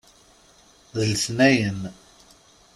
D letnayen.